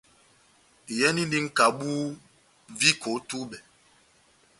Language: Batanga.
Iyɛnindi nʼkabu viko ό túbɛ.